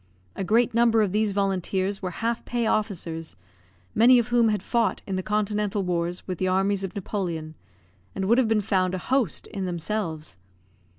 A great number of these volunteers were half pay officers, many of whom had fought in the continental wars with the armies of Napoleon, and would have been found a host in themselves.